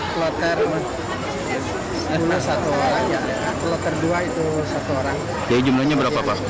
jadi jumlahnya berapa pak